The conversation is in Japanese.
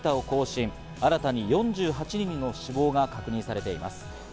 新たに４８人の死亡が確認されています。